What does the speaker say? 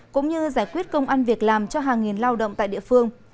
cũng như giải quyết công ăn việc làm cho hàng nghìn lao động tại địa phương